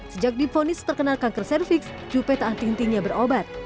sejak diponis terkena kanker cervix juppe tak henti hentinya berobat